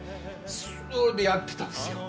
それでやってたんですよ。